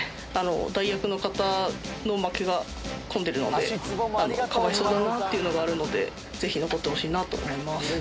代役の方の負けがこんでるので、かわいそうだなっていうのがあるので、ぜひ残ってほしいなと思います。